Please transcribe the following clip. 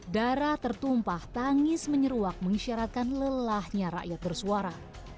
darah tertumpah tangis menyeruak mengisyaratkan lelahnya rakyat bersuara